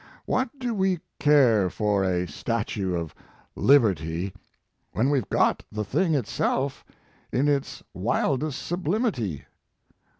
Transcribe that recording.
What do we care for a statue of liberty when we ve got the thing itself in its wildest sublimity?